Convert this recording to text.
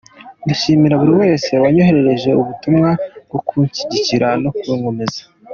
Ndashimira buri wese wanyoherereje ubutumwa bwo kunshyigikira no kunkomeza.